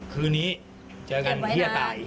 คืนนี้เจอกันที่จะตาย